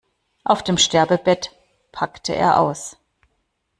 Auf dem Sterbebett packte er aus.